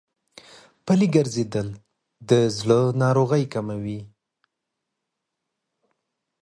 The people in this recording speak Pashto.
پلي ګرځېدل د زړه ناروغۍ کموي.